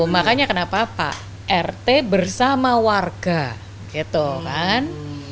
makanya kenapa pak rt bersama warga gitu kan